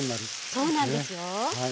そうなんですよ。